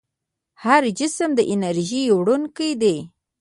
هر جسم د انرژۍ وړونکی دی.